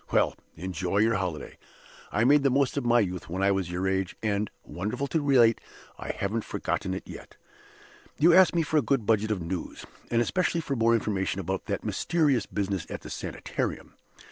Well! enjoy your holiday. I made the most of my youth when I was your age; and, wonderful to relate, I haven't forgotten it yet! "You ask me for a good budget of news, and especially for more information about that mysterious business at the Sanitarium.